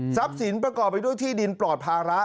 สินประกอบไปด้วยที่ดินปลอดภาระ